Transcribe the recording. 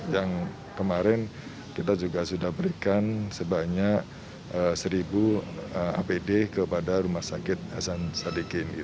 yang kemarin kita juga sudah berikan sebanyak seribu apd kepada rumah sakit hasan sadikin